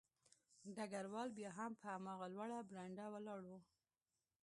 ډګروال بیا هم په هماغه لوړه برنډه ولاړ و